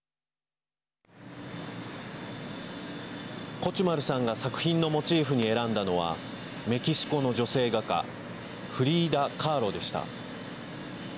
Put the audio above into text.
コチュマルさんが作品のモチーフに選んだのはメキシコの女性画家フリーダ・カーロでした。